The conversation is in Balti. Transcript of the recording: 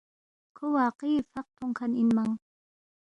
کھو واقعی فق تھونگ کھن اِنمنگ